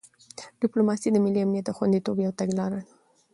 ډیپلوماسي د ملي امنیت د خوندیتوب یو تګلاره ده.